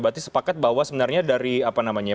berarti sepakat bahwa sebenarnya dari apa namanya